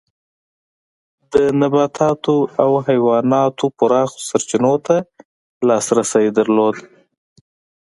د نباتاتو او حیواناتو پراخو سرچینو ته لاسرسی درلود.